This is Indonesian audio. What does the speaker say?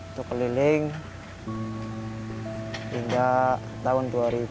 itu keliling hingga tahun dua ribu dua puluh satu